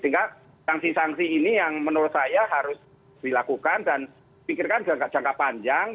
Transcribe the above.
sehingga sanksi sanksi ini yang menurut saya harus dilakukan dan pikirkan jangka panjang